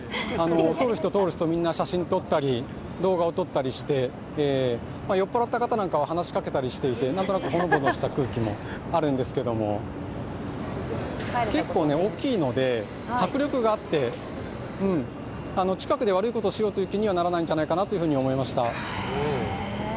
通る人、通る人みんな写真を撮ったり動画を撮ったりして、酔っ払った方なんかは話しかけたりなんかしていてなんとなくほのぼのした雰囲気もあるんですが結構、大きいので迫力があって近くで悪いことをしようという気にはならないんじゃないかなと思いました。